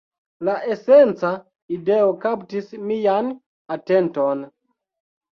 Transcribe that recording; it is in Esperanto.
La esenca ideo kaptis mian atenton